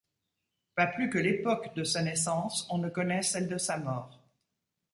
Pas plus que l'époque de sa naissance, on ne connaît celle de sa mort.